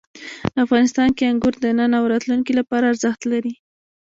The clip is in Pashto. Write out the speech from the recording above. افغانستان کې انګور د نن او راتلونکي لپاره ارزښت لري.